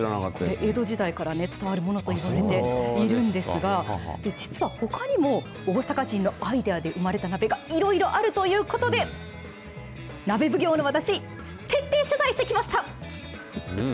江戸時代から伝わるものといわれているんですが、実はほかにも、大阪人のアイデアで生まれた鍋がいろいろあるということで、鍋奉行の私、徹底取材してきました。